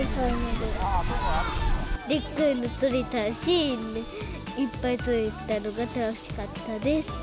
でっかいの取れたし、いっぱい取れたのが楽しかったです。